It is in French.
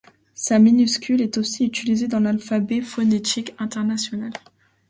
Sa minuscule est aussi utilisée dans l’alphabet phonétique international.